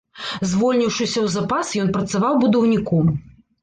Звольніўшыся ў запас, ён працаваў будаўніком.